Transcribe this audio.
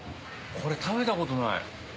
これ食べたことない。